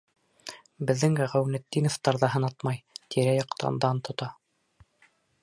Беҙҙең Ғәүнетдиновтар ҙа һынатмай — тирә-яҡта дан тота.